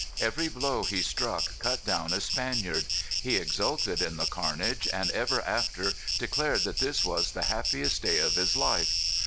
Every blow he struck cut down a Spaniard. He exulted in the carnage, and ever after declared that this was the happiest day of his life.